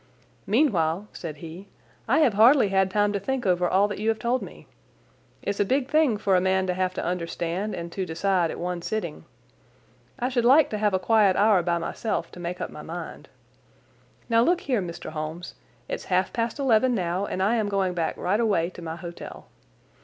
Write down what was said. "Meanwhile," said he, "I have hardly had time to think over all that you have told me. It's a big thing for a man to have to understand and to decide at one sitting. I should like to have a quiet hour by myself to make up my mind. Now, look here, Mr. Holmes, it's half past eleven now and I am going back right away to my hotel.